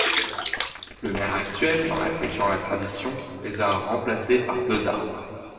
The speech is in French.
Le maire actuel, perpétuant la tradition les a remplacés par deux arbres.